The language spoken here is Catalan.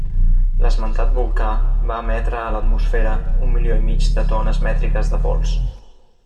L'esmentat volcà va emetre a l'atmosfera un milió i mig de tones mètriques de pols.